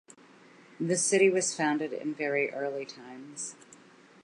The city was founded in very early times.